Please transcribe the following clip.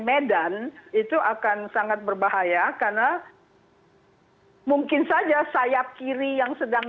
medan itu akan sangat berbahaya karena mungkin saja sayap kiri yang sedang